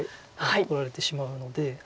取られてしまうので。